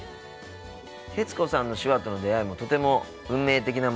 徹子さんの手話との出会いもとても運命的なものだったんだね。